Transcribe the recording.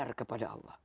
berserah kepada allah